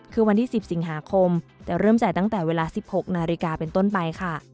คือวันที่๑๐สิงหาคมจะเริ่มจ่ายตั้งแต่เวลา๑๖นาฬิกาเป็นต้นไปค่ะ